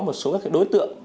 một số đối tượng